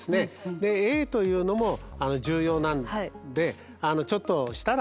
で「Ａ」というのも重要なんでちょっとしたらやって下さいね。